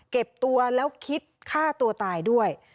เก็บตัวแล้วคิดฆ่าตัวตายด้วย